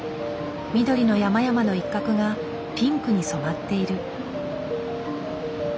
緑の山々の一角がピンクに染まっている。